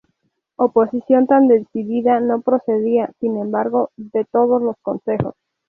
Oposición tan decidida no procedía, sin embargo, de todos los Concejos.